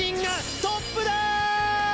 トップだ！